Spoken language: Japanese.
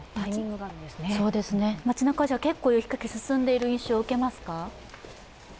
街なかでは結構雪かきが進んでいる印象を受けますか？